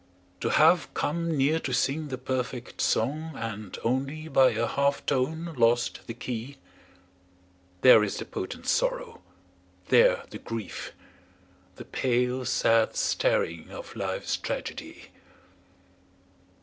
To have come near to sing the perfect song And only by a half tone lost the key, There is the potent sorrow, there the grief, The pale, sad staring of life's tragedy.